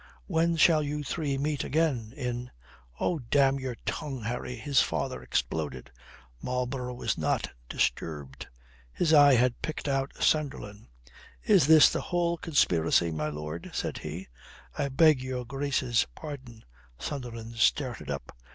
When shall you three meet again? In " "Oh, damn your tongue, Harry," his father exploded. Marlborough was not disturbed. His eye had picked out Sunderland. "Is this the whole conspiracy, my lord?" said he. "I beg your Grace's pardon," Sunderland started up.